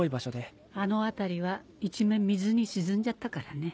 あの辺りは一面水に沈んじゃったからね。